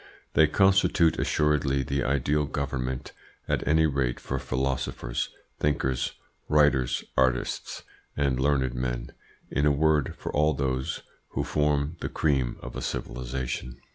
They constitute assuredly the ideal government at any rate for philosophers, thinkers, writers, artists, and learned men in a word, for all those who form the cream of a civilisation.